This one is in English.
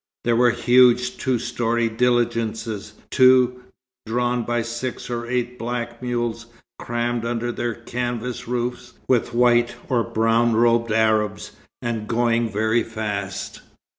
There were huge, two storied diligences, too, drawn by six or eight black mules, crammed under their canvas roofs with white or brown robed Arabs, and going very fast.